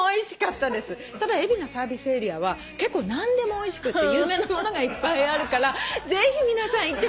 ただ海老名サービスエリアは結構何でもおいしくって有名な物がいっぱいあるからぜひ皆さん行ってみてください！